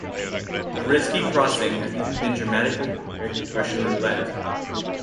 The risky crossing has even been dramatically compared with Russian roulette.